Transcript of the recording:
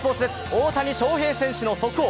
大谷翔平選手の速報。